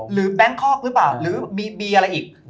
หรือแบงค์คอร์กหรือเปล่าก็มีบีอะไรอีก